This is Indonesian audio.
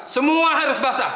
semua harus basah